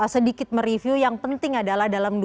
sedikit mereview yang penting adalah dalam